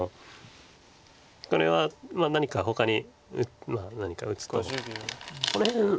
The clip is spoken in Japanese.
これは何かほかに何か打つとこの辺。